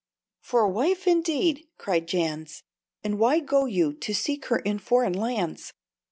"For a wife, indeed!" cried Jans. "And why go you to seek her in foreign lands?